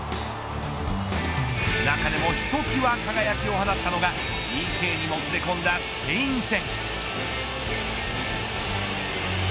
中でもひときわ輝きを放ったのはＰＫにもつれ込んだスペイン戦。